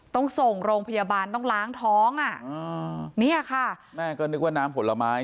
ต้องส่งโรงพยาบาลต้องล้างท้องอ่ะอ่าเนี่ยค่ะแม่ก็นึกว่าน้ำผลไม้